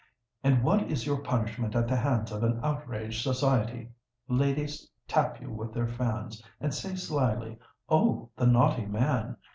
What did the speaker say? And what is your punishment at the hands of an outraged society? Ladies tap you with their fans, and say slyly, '_Oh! the naughty man!